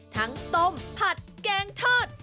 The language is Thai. ทั้งต้มผัดแกงทอด